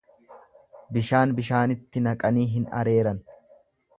Bishaan bishaanitti naqanii hin areeran.